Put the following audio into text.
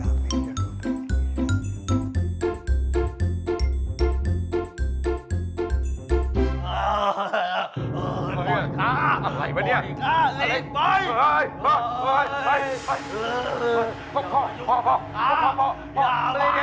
อนเวียโชครัส